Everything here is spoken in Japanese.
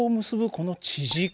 この地軸